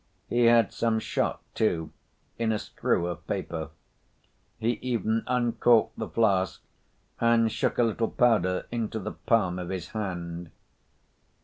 He had some shot, too, in a screw of paper. He even uncorked the flask and shook a little powder into the palm of his hand.